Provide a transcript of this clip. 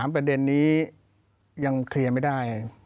ประเด็นนี้ยังเคลียร์ไม่ได้